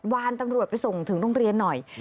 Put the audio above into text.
วานตำรวจไปส่งถึงโรงเรียนหน่อย